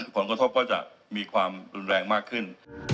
ผลกระทบก็จะมีความรุนแรงมากขึ้น